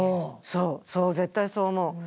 そうそう絶対そう思う。